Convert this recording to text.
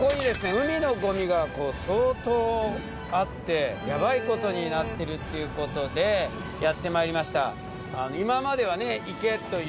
海のごみがそうとうあってヤバいことになってるっていうことでやってまいりました。